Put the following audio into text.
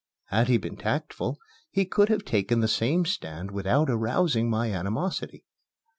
Had he been tactful, he could have taken the same stand without arousing my animosity.